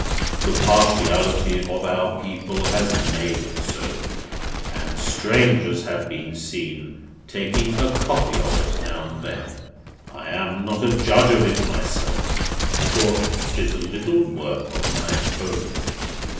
The partiality of our people has made it so, and strangers have been seen taking a copy of it now and then. I am not a judge of it myself, for it is a little work of my own.